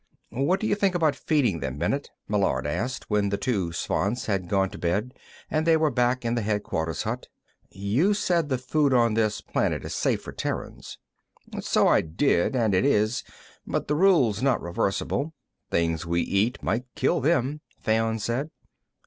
"What do you think about feeding them, Bennet?" Meillard asked, when the two Svants had gone to bed and they were back in the headquarters hut. "You said the food on this planet is safe for Terrans." "So I did, and it is, but the rule's not reversible. Things we eat might kill them," Fayon said.